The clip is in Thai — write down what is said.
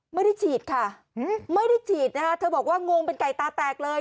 ไม่ได้ฉีดค่ะเธอบอกว่างงเป็นไก่ตาแตกเลย